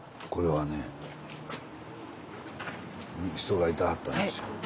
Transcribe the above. これはね人がいてはったんですよ。